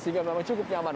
sehingga memang cukup nyaman